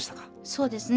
そうですね